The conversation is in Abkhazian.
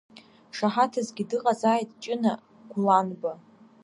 Шаҳаҭысгьы дыҟазааит Ҷына Гәланба.